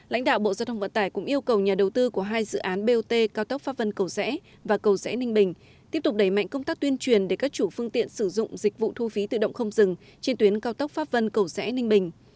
lãnh đạo bộ giao thông vận tải cũng yêu cầu nhà đầu tư của hai dự án bot cao tốc pháp vân cầu rẽ và cầu rẽ ninh bình tiếp tục đẩy mạnh công tác tuyên truyền để các chủ phương tiện sử dụng dịch vụ thu phí tự động không dừng trên tuyến cao tốc pháp vân cầu rẽ ninh bình